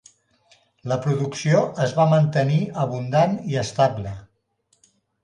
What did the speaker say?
La producció es va mantenir abundant i estable.